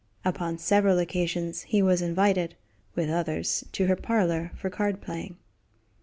Upon several occasions he was invited, with others, to her parlor for card playing.